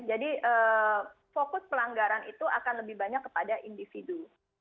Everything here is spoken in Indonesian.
jadi fokus pelanggaran itu akan lebih banyak kepada individu